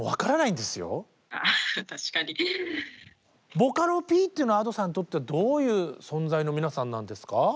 ボカロＰっていうのはＡｄｏさんにとってどういう存在の皆さんなんですか？